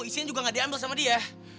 isinya juga nggak diambil sama dia